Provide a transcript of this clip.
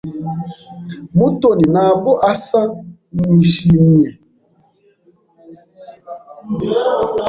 Mutoni ntabwo asa nishimye.